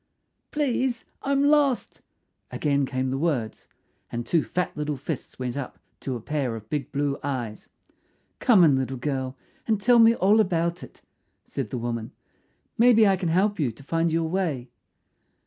"Please, I'm lost," again came the words, and two fat little fists went up to a pair of big blue eyes. "Come in, little girl, and tell me all about it," said the woman. "Maybe I can help you to find your way."